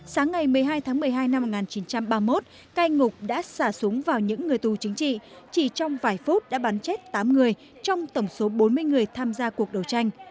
sáng ngày một mươi hai tháng một mươi hai năm một nghìn chín trăm ba mươi một cai ngục đã xả súng vào những người tù chính trị chỉ trong vài phút đã bắn chết tám người trong tổng số bốn mươi người tham gia cuộc đấu tranh